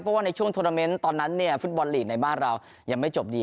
เพราะว่าในช่วงโทรเมนต์ตอนนั้นเนี่ยฟุตบอลลีกในบ้านเรายังไม่จบดี